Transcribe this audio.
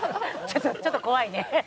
「ちょっと怖いね」